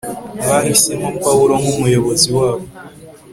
bahisemo pawulo nk'umuyobozi wabo